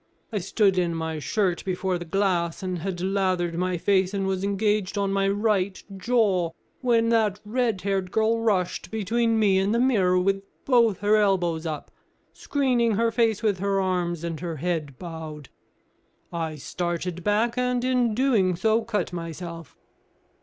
I stood in my shirt before the glass, and had lathered my face, and was engaged on my right jaw, when that red haired girl rushed between me and the mirror with both her elbows up, screening her face with her arms, and her head bowed. I started back, and in so doing cut myself."